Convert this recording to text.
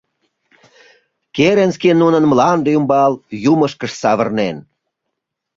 Керенский нунын мланде ӱмбал юмышкышт савырнен.